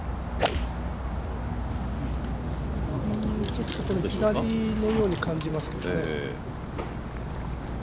ちょっと左のように感じますけどね。